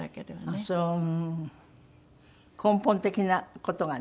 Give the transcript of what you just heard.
根本的な事がね。